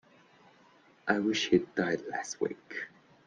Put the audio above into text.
I wish he'd died last week!